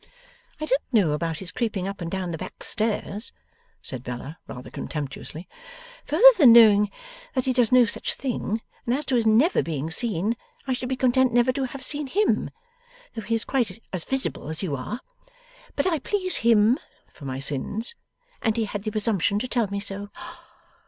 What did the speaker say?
'I don't know about his creeping up and down the back stairs,' said Bella, rather contemptuously, 'further than knowing that he does no such thing; and as to his never being seen, I should be content never to have seen him, though he is quite as visible as you are. But I pleased HIM (for my sins) and he had the presumption to tell me so.